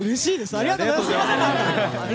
ありがとうございます。